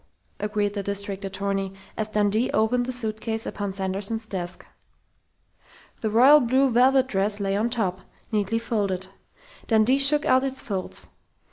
agreed the district attorney, as Dundee opened the suitcase upon Sanderson's desk. The royal blue velvet dress lay on top, neatly folded. Dundee shook out its folds.